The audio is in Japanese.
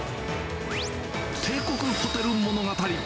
帝国ホテル物語。